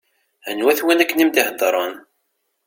Anwa-t win akken i m-d-iheddṛen?